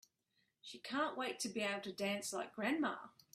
She can't wait to be able to dance like grandma!